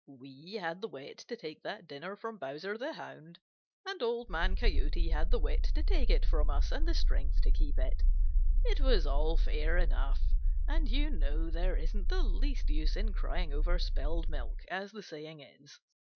We had the wit to take that dinner from Bowser the Hound, and Old Man Coyote had the wit to take it from us and the strength to keep it. It was all fair enough, and you know there isn't the least use in crying over spilled milk, as the saying is.